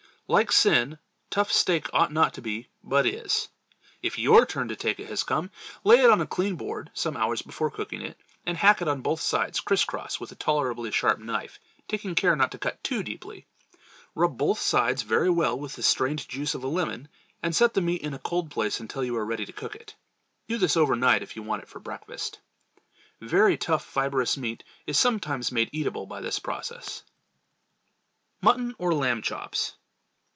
Like sin, tough steak ought not to be, but it is! If your turn to take it has come, lay it on a clean board, some hours before cooking it, and hack it on both sides, criss cross, with a tolerably sharp knife, taking care not to cut too deeply. Rub both sides very well with the strained juice of a lemon, and set the meat in a cold place until you are ready to cook it. Do this over night, if you want it for breakfast. Very tough, fibrous meat is sometimes made eatable by this process. Mutton or Lamb Chops.